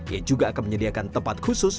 ia juga akan menyediakan tempat khusus